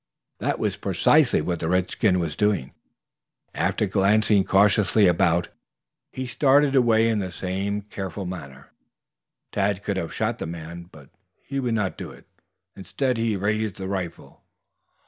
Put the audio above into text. That was precisely what the redskin was doing. After glancing cautiously about, he started away in the same careful manner. Tad could have shot the man, but he would not do it, instead, he raised the rifle.